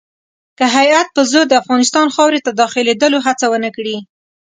که هیات په زور د افغانستان خاورې ته داخلېدلو هڅه ونه کړي.